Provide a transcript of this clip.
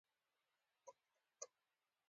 خو زما مور به يې کله کله وهله.